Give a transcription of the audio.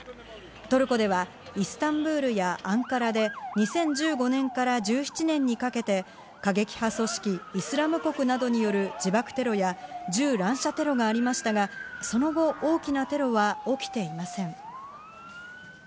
トルコでは、イスタンブールやアンカラで、２０１５年から１７年にかけて、過激派組織イスラム国などによる自爆テロや、銃乱射テロがありましたが、その後、大きなテロは起きていません。